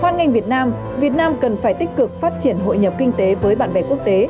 hoan nghênh việt nam việt nam cần phải tích cực phát triển hội nhập kinh tế với bạn bè quốc tế